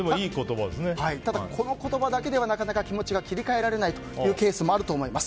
ただこの言葉だけではなかなか気持ちが切り換えられないケースもあると思います。